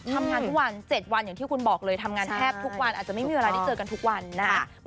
ทำงานทุกวัน๗วันอย่างที่คุณบอกเลยทำงานแทบทุกวันอาจจะไม่มีเวลาได้เจอกันทุกวันนะครับ